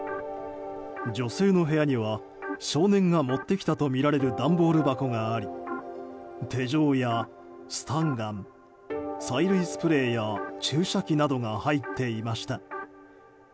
女性の部屋には少年が持ってきたとみられる段ボール箱があり手錠やスタンガン催涙スプレーや注射器などが入っていました。